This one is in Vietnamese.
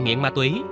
nghiện ma túy